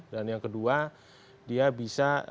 dan yang kedua dia bisa